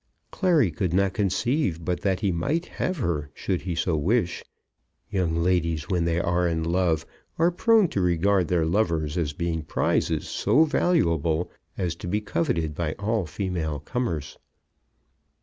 Clary could not conceive but that he might have her should he so wish. Young ladies, when they are in love, are prone to regard their lovers as being prizes so valuable as to be coveted by all female comers.